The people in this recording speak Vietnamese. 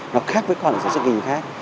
nó khác với khoản sản xuất kinh khác